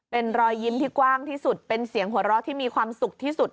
เป็นรอยยิ้มที่กว้างที่สุดเป็นเสียงหัวเราะที่มีความสุขที่สุด